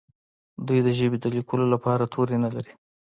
دوی د ژبې د لیکلو لپاره توري نه لري.